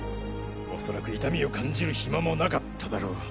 恐らく痛みを感じる暇もなかっただろう。